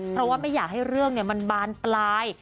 เพราะว่าไม่อยากให้เรื่องมันบานปลาย